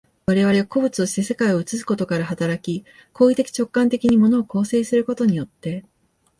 我々は個物として世界を映すことから働き、行為的直観的に物を構成することによって、